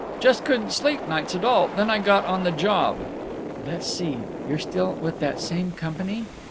"—just couldn't sleep nights at all…. Then I got on the job…." "Let's see, you're still with that same company?"